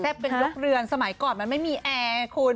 แซ่บเป็นกิ๊วรื่องสมัยก่อนมันไม่มีแอร์คูณ